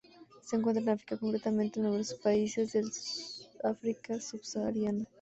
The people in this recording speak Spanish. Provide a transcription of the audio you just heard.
Se encuentra en África, concretamente en numerosos países del África Subsahariana.